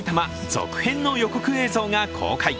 続編の予告映像が公開。